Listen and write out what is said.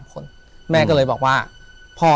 ถูกต้องไหมครับถูกต้องไหมครับ